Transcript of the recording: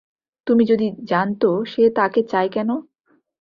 তুমি যদি জানতো সে তাকে চায় কেন?